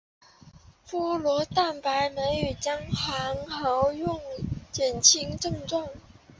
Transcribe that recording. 菠萝蛋白酶与姜黄合用能减轻症状。